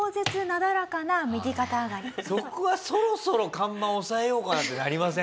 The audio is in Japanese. そこはそろそろ看板抑えようかな？ってなりません？